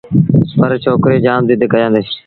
پرڇوڪري جآم زد ڪيآݩدي